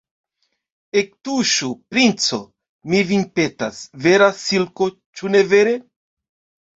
Ektuŝu, princo, mi vin petas, vera silko, ĉu ne vere?